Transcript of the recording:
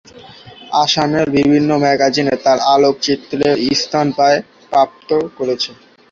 অসমের বিভিন্ন ম্যাগাজিনে তার আলোকচিত্র শীর্ষস্থান প্রাপ্ত করেছে।